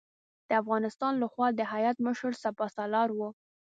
د افغانستان له خوا د هیات مشر سپه سالار و.